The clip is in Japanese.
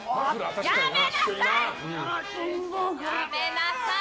やめなさい！